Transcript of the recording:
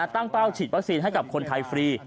ตั้งเป้าฉีดวัคซีนให้กับคนไทยฟรี